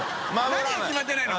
燭決まってないの？